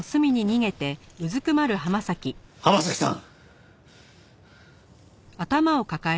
浜崎さん！